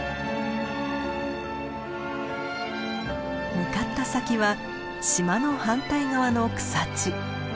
向かった先は島の反対側の草地。